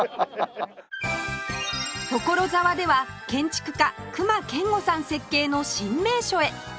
所沢では建築家隈研吾さん設計の新名所へ